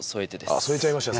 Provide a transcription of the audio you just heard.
ああ添えちゃいました